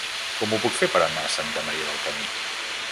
Com ho puc fer per anar a Santa Maria del Camí?